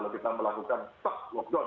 kalau kita melakukan lockdown